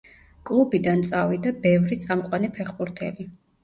კლუბიდან წავიდა ბევრი წამყვანი ფეხბურთელი.